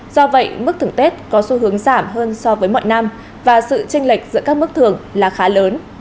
do vậy mức thưởng tết có xu hướng giảm hơn so với mọi năm và sự tranh lệch giữa các mức thưởng là khá lớn